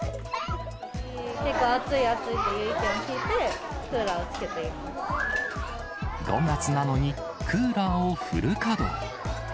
結構暑い暑いっていう意見を５月なのにクーラーをフル稼働。